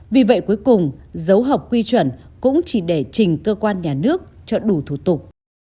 vì vậy cuối cùng dấu hợp quy chuẩn cũng chỉ để trình cơ quan nhà nước cho đủ thủ tục